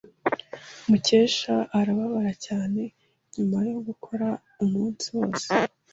Mukesha arababara cyane nyuma yo gukora umunsi wose.